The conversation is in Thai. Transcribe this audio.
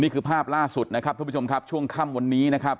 ภาพล่าสุดนะครับทุกผู้ชมครับช่วงค่ำวันนี้นะครับ